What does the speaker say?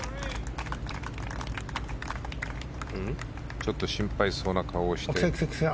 ちょっと心配そうな顔をして。